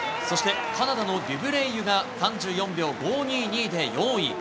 そして、カナダのデュブレイユが３４秒５２２で４位。